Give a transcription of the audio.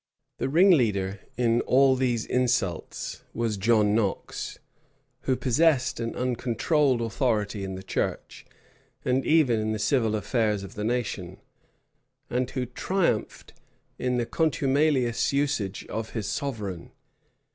[*] The ringleader in all these insults on majesty was John Knox; who possessed an uncontrolled authority in the church and even in the civil affairs of the nation, and who triumphed in the contumelious usage of his sovereign.